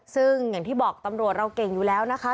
ซึ่งอย่างที่บอกตำรวจเราเก่งอยู่แล้วนะคะ